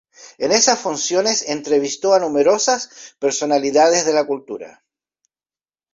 En esas funciones entrevistó a numerosas personalidades de la cultura.